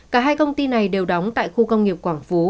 cả hai công ty này đều đóng tại khu công nghiệp quảng phú